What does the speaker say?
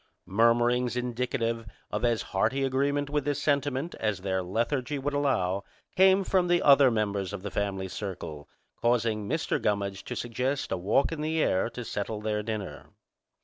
Murmurings indicative of as hearty agreement with this sentiment as their lethargy would allow came from the other members of the family circle, causing Mr. Gummidge to suggest a walk in the air to settle their dinner.